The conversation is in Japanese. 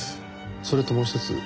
それともう一つ。